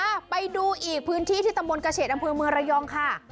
อ่ะไปดูอีกพื้นที่ที่ตำบลกระเฉดอำเภอเมืองระยองค่ะ